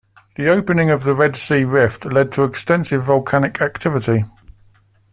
The opening of the Red Sea rift led to extensive volcanic activity.